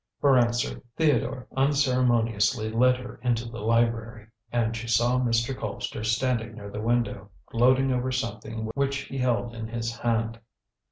For answer Theodore unceremoniously led her into the library, and she saw Mr. Colpster standing near the window, gloating over something which he held in his hand.